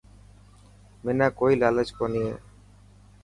منا ڪوئي لالچ ڪوني هي.